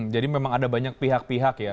jadi memang ada banyak pihak pihak ya